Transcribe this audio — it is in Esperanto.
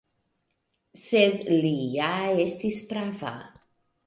Sed li ja estis prava.